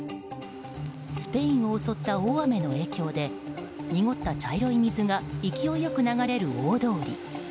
スペインを襲った大雨の影響で濁った茶色い水が勢いよく流れる大通り。